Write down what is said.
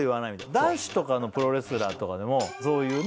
男子とかのプロレスラーとかでもそういうね。